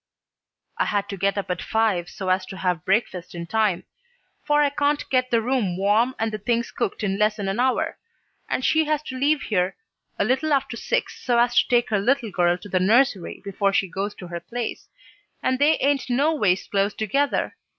"I had to get up at five so as to have breakfast in time, for I can't get the room warm and the things cooked in less'n an hour, and she has to leave here a little after six so as to take her little girl to the nursery before she goes to her place, and they ain't noways close together.